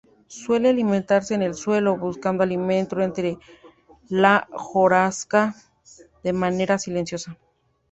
Suele alimentarse en el suelo, buscando alimento entre la hojarasca de manera silenciosa.